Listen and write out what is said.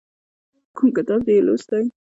کوم کتاب دې یې لوستی؟